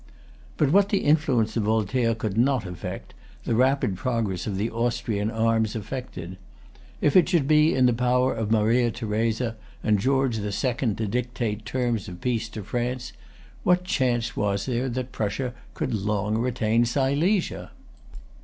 But what the influence of Voltaire could not effect, the rapid progress of the Austrian arms effected. If it should be in the power of Maria Theresa and George the Second to dictate terms of peace to France, what chance was there that Prussia would long retain Silesia?